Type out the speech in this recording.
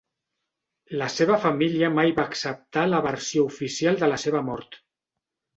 La seva família mai va acceptar la versió oficial de la seva mort.